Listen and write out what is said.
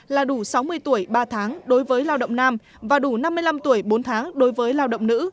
là đủ sáu mươi tuổi ba tháng đối với lao động nam và đủ năm mươi năm tuổi bốn tháng đối với lao động nữ